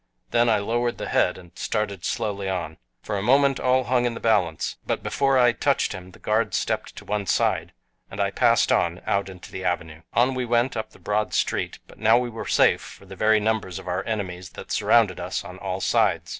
Then I lowered the head and started slowly on. For a moment all hung in the balance, but before I touched him the guard stepped to one side, and I passed on out into the avenue. On we went up the broad street, but now we were safe for the very numbers of our enemies that surrounded us on all sides.